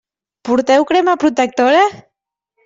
Porteu crema protectora?